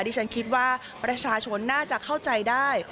ที่ฉันคิดว่าประชาชนน่าจะเข้าใจได้